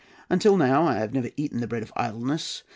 Until now I have never eaten the bread of idleness.